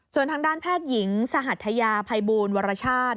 ส่วนทางด้านแพทย์หญิงสหัทยาภัยบูลวรชาติ